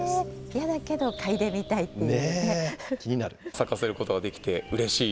嫌だけど、嗅いでみたいという。